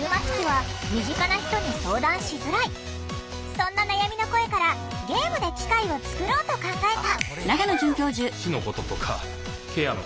そんな悩みの声からゲームで機会を作ろうと考えた。